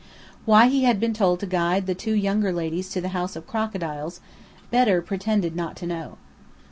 Why he had been told to guide the two younger ladies to the House of the Crocodile, Bedr pretended not to know.